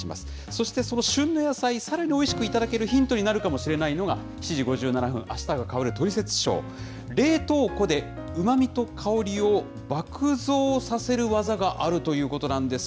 そして、その旬の野菜、さらにおいしく頂けるヒントになるかもしれないのが、７時５７分、あしたが変わるトリセツショー、冷凍庫で、うまみと香りを爆増させる技があるということなんです。